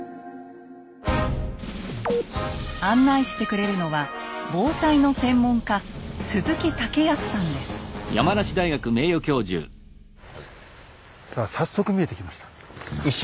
案内してくれるのは防災の専門家さあ早速見えてきました。